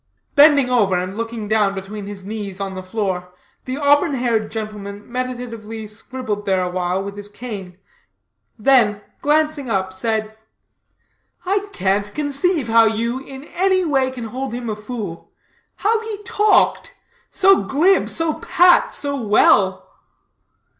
Bending over, and looking down between his knees on the floor, the auburn haired gentleman meditatively scribbled there awhile with his cane, then, glancing up, said: "I can't conceive how you, in anyway, can hold him a fool. How he talked so glib, so pat, so well."